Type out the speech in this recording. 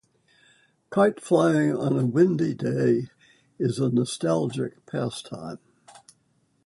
Kite flying on a windy day is a nostalgic pastime.